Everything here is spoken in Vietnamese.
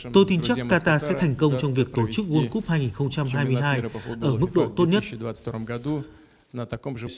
tôi tin chắc qatar sẽ thành công trong việc tổ chức world cup hai nghìn hai mươi hai ở mức độ tốt nhất